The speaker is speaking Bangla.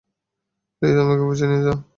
প্লিজ আমাকে অফিসে নিয়ে যাও।